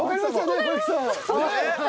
是木さん。